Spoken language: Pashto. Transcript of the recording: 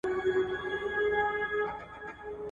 یو زلمی به د شپې ونیسي له لاسه ,